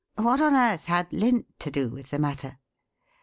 What on earth had lint to do with the matter?"